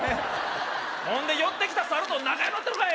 ほんで寄ってきたサルと仲良うなったろかい！